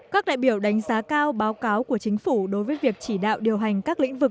các đại biểu đánh giá cao báo cáo của chính phủ đối với việc chỉ đạo điều hành các lĩnh vực